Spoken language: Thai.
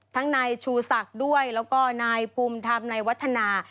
นายชูศักดิ์ด้วยแล้วก็นายภูมิธรรมนายวัฒนา